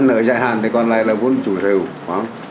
nợ dài hạn thì còn lại là vốn chủ sở hữu